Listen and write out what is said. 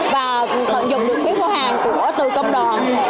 và tận dụng được phiếu kho hàng của từ công đoàn